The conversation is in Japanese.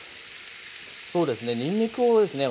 そうですねにんにくをですね